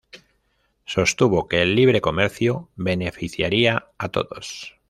Sostuvo que el libre comercio beneficiaría a todos.